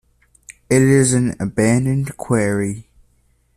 It is an abandoned Quarry.